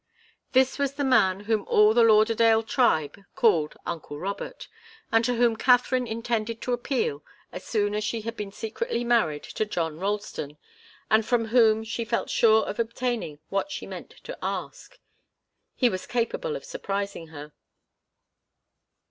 This was the man whom all the Lauderdale tribe called uncle Robert, and to whom Katharine intended to appeal as soon as she had been secretly married to John Ralston, and from whom she felt sure of obtaining what she meant to ask. He was capable of surprising her.